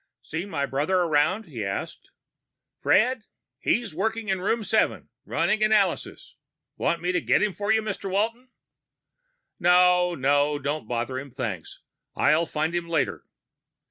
"Seen my brother around?" he asked. "Fred? He's working in room seven, running analyses. Want me to get him for you, Mr. Walton?" "No no, don't bother him, thanks. I'll find him later."